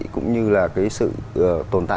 cũng như là